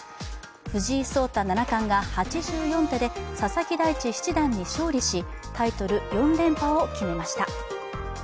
藤井聡太七冠が８４手で、佐々木大地七段に勝利しタイトル４連覇を決めました。